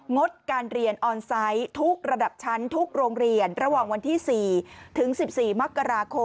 งดการเรียนออนไซต์ทุกระดับชั้นทุกโรงเรียนระหว่างวันที่๔ถึง๑๔มกราคม